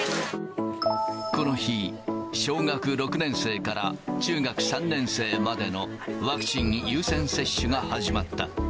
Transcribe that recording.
この日、小学６年生から中学３年生までの、ワクチン優先接種が始まった。